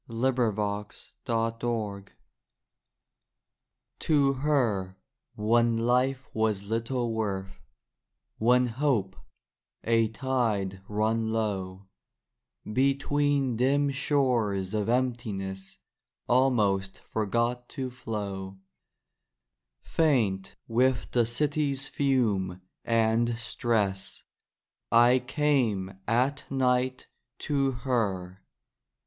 _ THE IDEAL _To Her, when life was little worth, When hope, a tide run low, Between dim shores of emptiness Almost forgot to flow, _ _Faint with the city's fume and stress I came at night to Her.